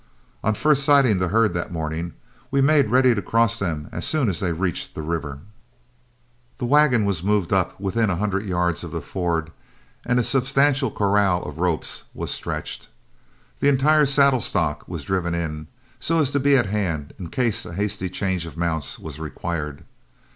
On first sighting the herd that morning, we made ready to cross them as soon as they reached the river. The wagon was moved up within a hundred yards of the ford, and a substantial corral of ropes was stretched. Then the entire saddle stock was driven in, so as to be at hand in case a hasty change of mounts was required.